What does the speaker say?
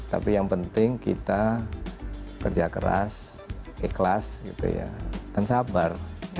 tapi yang penting kita kerja keras ikhlas dan sabar